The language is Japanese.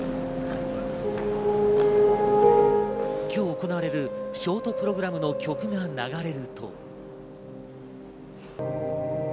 今日、行われるショートプログラムの曲が流れると。